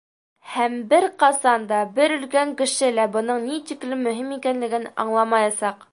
Һәм бер ҡасан да, бер өлкән кеше лә, бының ни тиклем мөһим икәнлеген аңламаясаҡ!